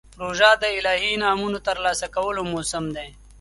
روژه د الهي انعامونو ترلاسه کولو موسم دی.